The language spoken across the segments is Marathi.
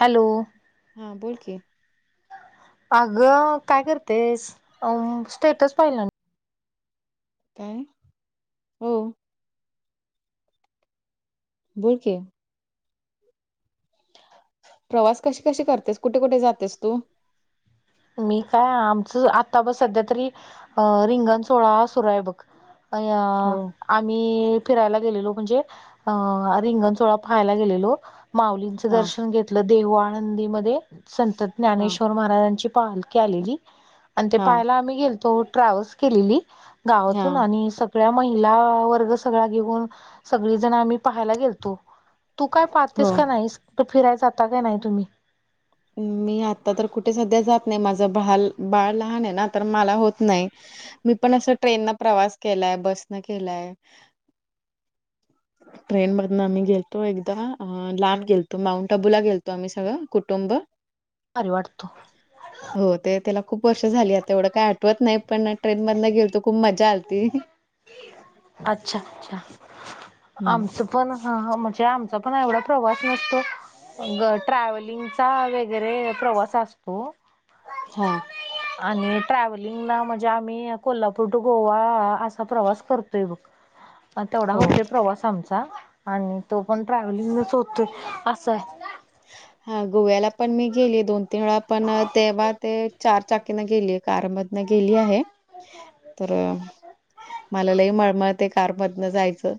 हॅलो हा बोल क अगं काय करतेस स्टेटस पाहिलं काय हो बोल के प्रवास कशी कशी करतेस कुठे कुठे जातेस तू मी काय आमचं आता बस सध्या तरी अ रिंगण सोहळा सुरू आहे बघ अं हो आम्ही फिरायला गेलेलो म्हणजे अ रिंगण सोळा पाहायला गेलेलो माऊलीं हा दर्शन घेतलं देऊआळंदी मदे संत हा ज्ञानेश्वर महाराजांची पालकी आलेली ते हा पाहायला आम्ही गेलतो ट्रॅव्हल्स केलेली हा गावातून आणि स सगळ्या महिला वर्ग सगळा घेऊन सगळी जण आम्ही पाहायला गेलतो तू काय हो पाहतेस का नाहीस तू फिरायला जाता काय नाही तुम्ही मी आता तर कुठे सध्या जात नाही माझं बाल बाळ लहान आहे ना तर मला होत नाही मी पण असं ट्रेन न प्रवास केलाय बसन केलाय ट्रेन मधून आम्ही गेलो एकदा अ लांब गेलतो माउंट आबू ला गेलतो आम्ही सगळं कुटुंब अरे वाटतो हो ते त्याला खूप वर्ष झाली आता एवढं काय आठवत नाही पण ट्रेन मधन गेलतो खूप मजा आलती अच्छा अच्छा हम्म. आमच पण ह म्हणजे आमचा पण एवढा प्रवास नसतो ग ट्रॅव्हलिंगचा वगैरे प्रवास असतो हा आणि ट्रॅव्हलिंगला म्हणजे आम्ही कोल्हापूर टू गोवा असा प्रवास करतोय बघ ह तेवढा हो होतोय प्रवास आमचा आणि तो पण ट्रॅव्हलिंगच होतोय असं आहे ह हा गोव्याला पण मी गेली दोन तीन वेळा पण तेव्हा ते चार चाकीना गेली कारमधन गेली आहे तर मला लही मळमळ ते कारमधन जायचं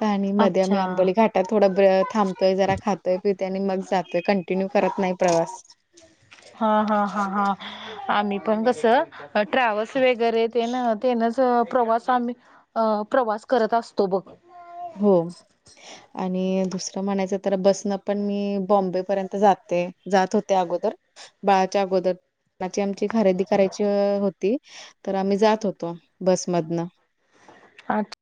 पणि मध्ये आम्ही अच्छा आंबोली घाटात थोडा ब थांबतोय जरा खातोय पिित आणि मग जतूय कंटिन्यू करत नाही प्रवास हा हा हा हा आम्ही पण कसं ट्रॅव्हल्स वगैरे तेन तेनच प्रवास आम्ही प्रवास करत असतो बघ हो आणि दुसरं म्हणायचं तर बसन पण मी बॉम्बे पर्यंत जाते जात होते अगोदर बाळाच्या अगोदरची आमची खरेदी करायची होती तर आम्ही जात होतो बसमधनं अच्छा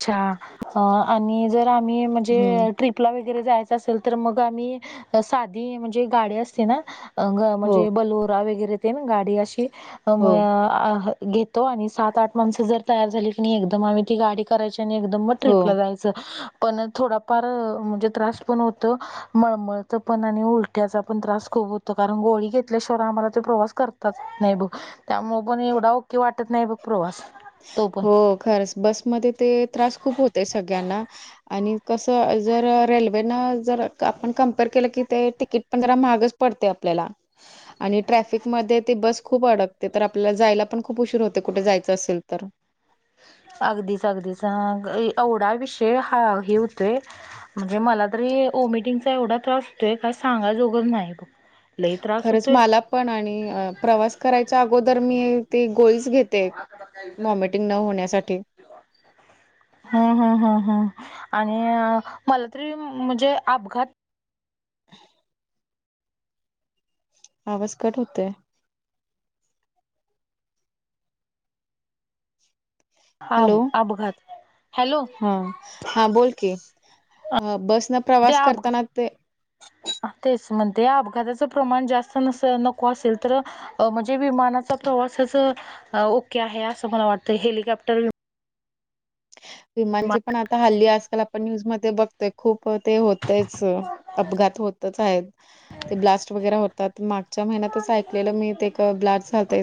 अच्छा आणि जर आम्ही म्हणजे हम्म ट्रिप ट्रिपला वगैरे जायचा असेल तर मग आम्ही साधी म्हणजे गाडी असते ना अग हो म्हणजे बलोरा वगैरे ते ना गाडी अशी अम हो अ घेतो आणि सात आठ माणसं जर तयार झाली की नाही एकदम आम्ही ती गाडी करायची आणि एकदम म हो ट्रिपल जायच पण थोडाफार म्हणजे त्रास पण होत मळमळथ पण आणि उलटी त्याचा पण त्रास खूप होतो कारण गोळी घेतल्याशिववर आम्हाला ते प्रवास करतच येत नाही बघ त्यामुळे पण एवढा ओके वाटत नाही बघ प्रवास तो पण हो खरच बसमध्ये ते त्रास खूप होते सगळ्यांना. आणि कसं जर रेल्वेनं जर आपण कम्पेअर केलं की ते तिकीट पण जरा महागच पडते आपल्याला. आणि ट्रॅफिक मध्ये ते बस खूप अडकते तर आपल्याला जायला पण खूप उशीर होत ते कुठे जायचं असेल तर. अगदीच अगदीच हा एवढा विषय हा हे होतोय म्हणजे मला तरी ओमिटिंगचा एवढा त्रास होतय काय सांगा उगाच नाही बघ. लई त्रास खरंच होतोय. मला पण आणि प्रवास करायच्या अगोदर मी ते गोळीच च घेते ओमिटिंग न होण्यासाठी. [inaudible] हा हा हा हा आणि मला तरी म्हणजे अपघात [inaudible] आवाज कट होतय. अ हॅलो? अपघात हॅलो. हा बोल की बस न ते प्रवास करताना अपघात ते तेच म्हणते अपघाताचं प्रमाण जास्त नस नको असेल तर अ म्हणजे विमानाचा प्रवासच ओके आहे असं मला वाटतय हेलिकॉप्टर विमानाचे पण आता हल्ली आजकाल आपण न्यूजमध्ये बघतोय. खूप ते होतच अपघात होतच आहेत. ते ब्लास्ट वगैरे होतात मागच्या महिन्यातचं ऐकलेलं मी ते एक ब्लास्ट झालतय.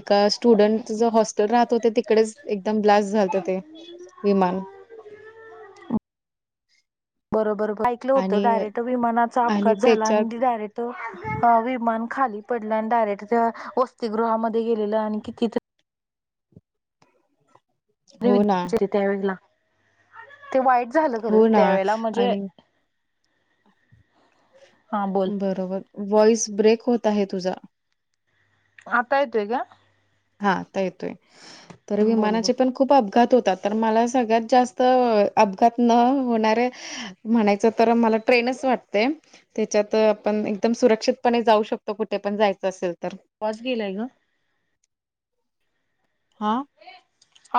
एका स्टुडंट ज हॉस्टेल राहत होते तिकडेच एकदम ब्लास्ट झाल ते. विमान. बरोबर ऐकलं होतं आणि डारेक्ट विमानाचा आणि अघात झाला त्याच्यात आणि डायरेक्ट विमान खाली पडलं आणि डायरेक्ट वसतिगृहामध्ये गेले आणि कितीतरी हो ना. विद्यार्थी त्यावेळेला ते वाईट झालं खरं हो ना त्यावेेळेला म्हणजे आणि हा बोल बरोबर वॉइस ब्रेक होत आहे तुझा. आता येतोय का? हा येतोय. तर बोल बोल विमानाचे पण खूप अपघात होतात. तर मला सगळ्यात जास्त अपघात न होणारे म्हणायचं तर मला ट्रेनच वाटते. त्याच्यात आपण एकदम सुरक्षितपणे जाऊ शकतो कुठे पण जायचं असेल तर. वास गेलाय ग. हा.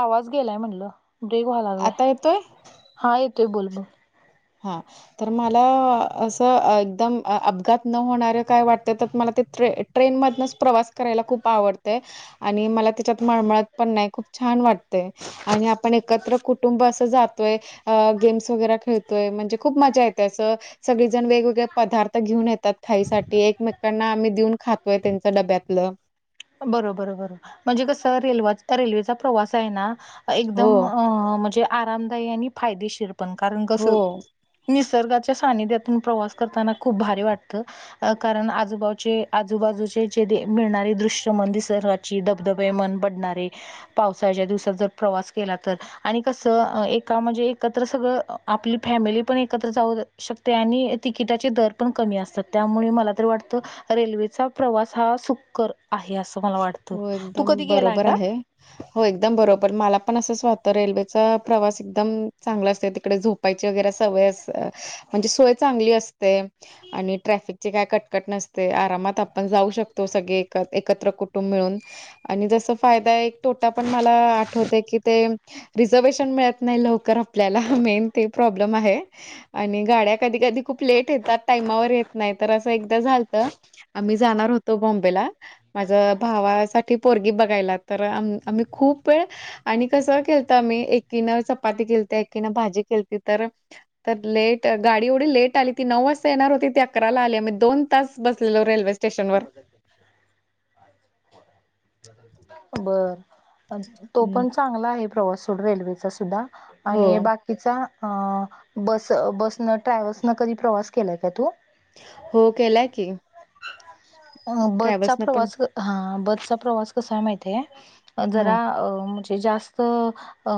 आवाज गेलाय म्हटलं ब्रेक व्हाय आता लागलाय येतोय हा येतोय बोल बोल. हा. तर मला असं एकदम अपघात न होणारे काय वाटते तर मला ते ट्रेन ट्रेनमधूनच प्रवास करायला खूप आवडते. आणि मला त्याच्यात मळमळत पण नाही खूप छान वाटते. आणि आपण एकत्र कुटुंब असं जातोय गेम्स वगैरे खेळतो. तोय म्हणजे खूप मज्जा येते असं. सगळे जण वेगवेगळे पदार्थ घेऊन येतात खाईसाठी एकमेकांना आम्ही देऊन खातोय त्यांचं डब्यातलं. बरोबर बरोबर म्हणजे कसं रे रेल्वेचा प्रवास आहे ना एकदम हो. अ म्हणजे आरामदायी आणि फायदेशीर पण कारण हो कसं? निसर्गाच्या सानिध्यातून प्रवास करताना खूप भारी वाटतं. अ कारण आजूबाचे आजूबाजूचे जे मिळणारी दृश्य मन निसर्गाची धबधबे मन भरणारे पावसाच्या दिवसात जर प्रवास केला तर. आणि कसं एका म्हणजे एकत्र सगळं आपल फॅमिली पण एकत्र जाऊ शकते आणि तिकिटाचे दर पण कमी असतात त्यामुळे मला तर वाटतं रेल्वेचा प्रवास हा सुकर आहे असं मला वाटतं हो तू एकदम कधी गेलाय बरोबर का? आहे हो एकदम बरोबर मला पण असं स्वत रेल्वेचा प्रवास एकदम चांगला असते तिकडे झोप ची वगैरे सवय अस म्हणजे सोय चांगली असते. आणि ट्रॅफिक चे काय कटकट नसते आरामात आपण जाऊ शकतो सगळे एकत्र कु टुंब मिळून आणि जस फायदा एक तोटा पण मला आठवत की ते रिझर्वेशन मिळत नाही लवकर आपल्याला मेन ते प्रॉब्लेम आहे. आणि गाड्या कधी कधी खूप लेट येतात टायमावर येत नाही तर असं एकदा झालत. आम्ही जाणार होतो बॉम्बेला माझ साठी पोरगी बघायला तर आम्ही खूप वेळ आणि कसं केलत आम्ही एकीनं चपाती खेळते एकीनं भाजी केलती तर तर लेट गाडी एवढी लेट आली ती नऊ वाजता येणार होती ती अकराला आली मी दोन तास बसलेलो रेल्वे स्टेशन वर बर तो हम्म. पण चांगला आहे प्रवासोड रेल्वेचा सुद्धा. हो, आणि बाकी किचा बस बसन ट्रॅव्हल्स न कधी प्रवास केलाय का तू? हो केलाय की. बसचा ट्रॅव्हल्सनं पण प्रवास हा बसचा प्रवास कसा माहितीय हां, जरा म्हण जास्त अ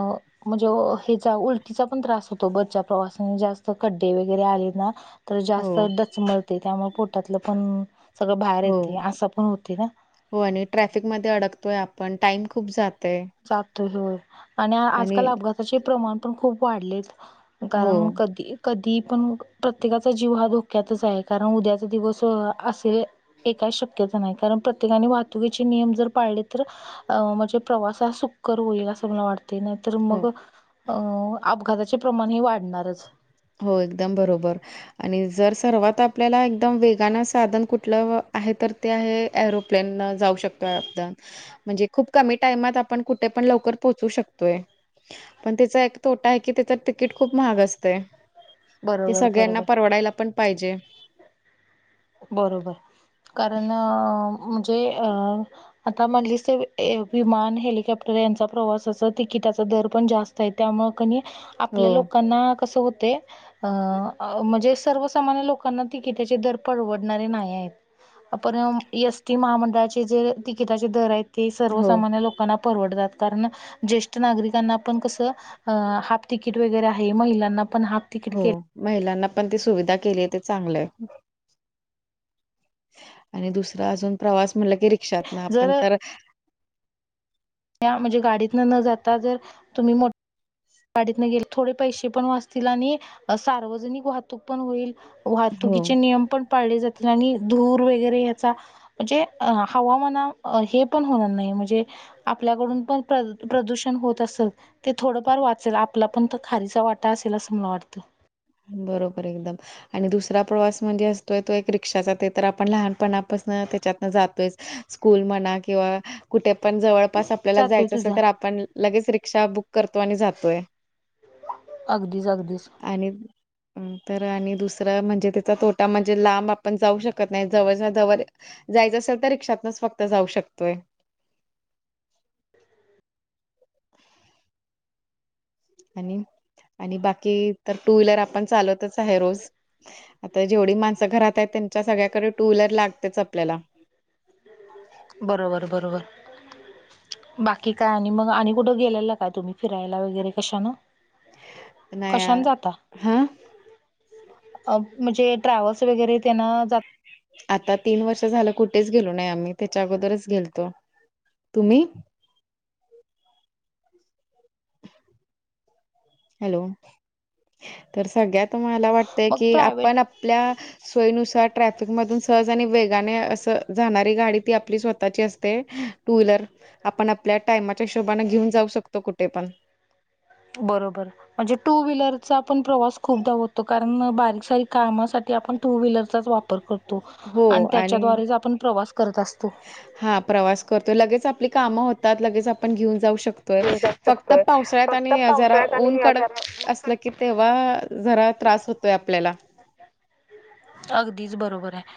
म्हणजे हचा उलटीचा पण त्रास होतो बरच्या प्रवासाने जास्त खड्डे वगैरे आले ना तर जास्त हो, डचमळते त्यामुळे पोटातलं पण सगळं बाहेर हो. येते असं पण होते ना? हो आणि ट्रॅफिकमध्ये अडकतोय आपण टाइम खूप जातय. जातो होय आणि आजकाल अपघाताचे प्रमाण पण खूप वाढलेत. हो, कारण कधी कधी पण प्रत्येकाचा जीव हा धोक्यातच आहे कारण उद्याचा दिवस असे एय शक्यता नाही कारण प्रत्येका वाहतुकीचे नियम जर पाळले तर म्हणजे प्रवास सुक्कर होईल असं मला वाटत नाही तर हो. मग अ अपघाताचे प्रमाण हे वाढणारच. हो एकदम बरोबर आणि जर सर्वात आपल्याला एकदम वेगानं साधन कुठलं आहे तर ते आहे एरोप्लेन जाऊ शकतोय आपदन. म्हणजे खूप कमी टाइमात आपण कुठे पण लवकर पोहोचू शकतोय. पण तिचा एक तोटा आहे की त्याच तिकीट खूप महाग असतय. ते बरोबर सगळ्यांना बरोबर परवडायला पण पाहिजे. बरोबर कारण म्हणजे अ आता म्हणली ते विमान हेलिकॉप्टर यांचा प्रवासाच तिकिटाचा दर पण जास्त त्यामूळ कणी हो, आपल्या लोकांना कसं होतय अ म्हणजे सर्वसामान्य लोकांना तिकट द परवडणारे नाही आहेत आपण एस टी महामंडळाचे जे तिकिटाचे दर आहेत ते हो, सर्वसामान्य लोकांना परवडतात कारण ज्येष्ठ नागरिकांना पण कसं अ हाफ तिकीट वगैरे आहे महिलांना पण हाप हो महिलांना पण ती सुविधा केली आहे ते चांगलं आहे. आणि दुसरं अजून प्रवास म्हटलं की रिक्षात ना आपण जर तर म्हणजे गाडीत न न जाता जर तुम्ही मो गाडीतन न गेल थोडे पैसे पण वाचतील आणि सार्वजनिक वाहतूक पण होईल. हो वाहतुकीचे नियम पण पाळले जातील आणि धूर वगैरे ह्याचा म्हणजे अ हवामाना हे पण होणार नाही म्हणजे आपल्याकडून पण प्रदूषण होत असत ते थोडंफार वा असेल आपला पण तर खारीचा वाटा असेल असं मला वाटतं. बरोबर एकदम. आणि दुसरा प्रवास म्हणजे असतोय तो एक रिक्षाचा ते तर आपण लहानपणापासन त्याच्यातन जातोयच. स्कूल म्हणा किंवा कुठे पण जवळपास आप आपल्याला जातोय जायचं असेल तुझा तर आपण लगेच रिक्षा बुक करतो आणि जातोय. अगदीच अगदीच आणि तर आणि दुसरं म्हणजे त्याचा तोटा म्हणजे लांब आपण जाऊ शकत नाही जवळच्या जवळ जायचं असेल तर रिक्षातनच फक्त जाऊ शकतोय. आणि आणि बाकी तर टू व्हीलर आपण चालवतच आहे रोज आता जेवढी माणसं घरात आहे त्यांच्या सगळ्याकडे टू व्हीलर लागतेच आपल्याला बरोबर बरोबर. बाकी काय आणि मग आणि कुठं गेलेलं काय तुम्ही फिरायला वगैरे कशा ना. नाही कशन जाता हा म्हणजे ट्रॅव्हल्स वगैरे त्यांना ज आता तीन वर्ष झालं कुठेच गेलो नाही आम्ही त्याच्या अगोदरच गेलतो. तुम्ही? हॅलो तर सगळ्या त मला वाट. मग की प्रायव्हेट आपण आपल्या सोयीनुसार ट्रॅफिक मधून सहज आणि वेगाने असं जाणारी गाडी ती आपली स्वतःची असते. टू वहीलर आपण आपल्या टाइमाच्या ह शोभने घेऊन जाऊ शकतो कुठे पण बरोबर म्हणजे टू व्हीलरचा पण प्रवास खूपदाधावतो का कारण बारीक सारी कामासाठी आपण टू व्हीलर च वापर करतो आणि त्याच्याद्वारेच आपण प्रवास करत असतो. हा प्रवास करतो लगेच आपली कामं होतात लगेच आपण घेऊन जाऊ शकतो. फक्त पावसाळ्यात आणि जरा ऊन कडक असलं की तेव्हा जरा त्रास होतोय आपल्याला अगदीच बरोबर आहे.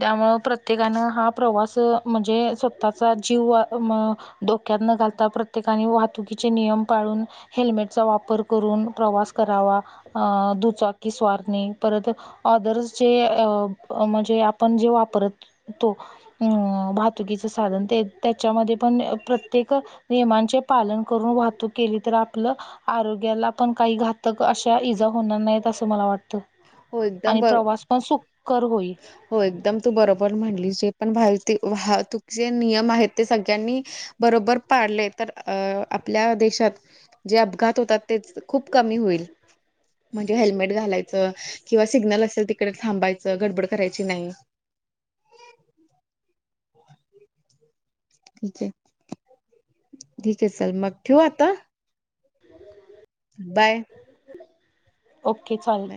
त्यामुं प्रत्येकानं हा प्रवास म्हणजे स्वतःचा जीव म डोक्यात न घालता प्रत्येकाने वाहतुकीचे नियम पाळून हेल्मेटचा वापर करून प्रवास करावा दुचाकी की स्वार नाही परत ऑदर्स जे म्हणजे आपण जे वापरत. तो अं वाहातुकीच साधन ते त्याच्यामध्ये पण प्रत्येक नियमांचे पालन करून वाहतूक केली तर आपलं आरोग्याला पण काही घातक अशा इजा होणार नाही. मला वाटत हो एकदम आणि बरोबर प्रवास पण सुकर होईल. हो एकदम तू बरोबर म्हणली जे पण तू जे नियम आहेत ते सगळ्यांनी बरोबर पाडले तर अ आपल्या देशात. जे अपघात होतात तेच खूप कमी होईल. म्हणजे हेल्मेट घालायचं किंवा सिग्नल असेल तिकडे थांबायचं गडबड करायची नाही. ठीक आहे ठीक आहे चल मग ठेव आता बाय. ओके चालेल